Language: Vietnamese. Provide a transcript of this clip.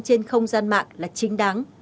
trên không gian mạng là chính đáng